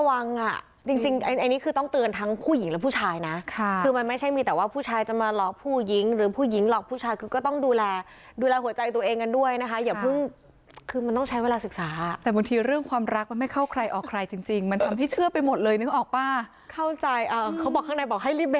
จริงจริงอันนี้คือต้องเตือนทั้งผู้หญิงและผู้ชายนะค่ะคือมันไม่ใช่มีแต่ว่าผู้ชายจะมาหลอกผู้หญิงหรือผู้หญิงหลอกผู้ชายคือก็ต้องดูแลดูแลหัวใจตัวเองกันด้วยนะคะอย่าเพิ่งคือมันต้องใช้เวลาศึกษาแต่บางทีเรื่องความรักมันไม่เข้าใครออกใครจริงจริงมันทำให้เชื่อไปหมดเลยนึกออกป่ะเข้าใจเขาบอกข้างในบอกให้รีบเบ